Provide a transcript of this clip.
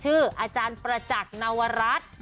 ชื่ออาจารย์ประจักรนวรัฐ